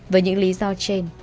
với những lý do trên